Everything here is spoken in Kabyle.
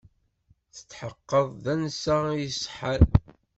Tetḥeqqeḍ d tansa iṣeḥḥan?